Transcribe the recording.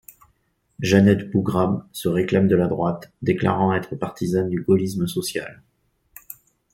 Jeannette Bougrab se réclame de la droite, déclarant être partisane du gaullisme social.